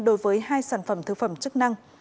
đối với hai sản phẩm thực phẩm chức năng